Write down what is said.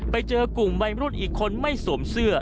ไปเจอกลุ่มวัยรุ่นอีกคนไม่สวมเสื้อ